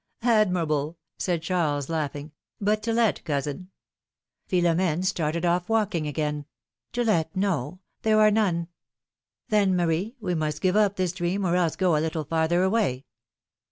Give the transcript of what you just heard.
^^ ^^Admirable ! said Charles, laughing ; but to let, cousin Philora^ne started off walking again : To let, no; there are none." Then, Marie, we must give up this dream, or else go a little farther away."